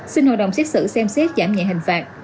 xin hội đồng xét xử xem xét giảm nhẹ hình phạt